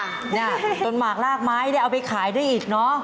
นี่ตนหมากรากไม้นี่เอาไปขายด้วยอีกเนอะ